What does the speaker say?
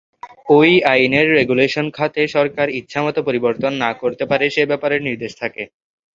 ওই আইনের রেগুলেশন খাতে সরকার ইচ্ছামত পরিবর্তন না করতে পারে সে ব্যাপারে নির্দেশ থাকে।